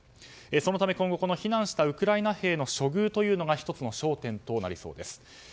そのため、今後避難したウクライナ兵の処遇が１つの焦点となりそうです。